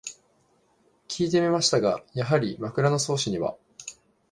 きいてみましたが、やはり「枕草子」には